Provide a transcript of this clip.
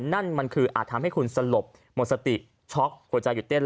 นั่นมันคืออาจทำให้คุณสลบหมดสติช็อกหัวใจหยุดเต้น